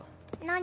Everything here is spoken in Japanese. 何？